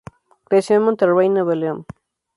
Creció en Monterrey Nuevo León.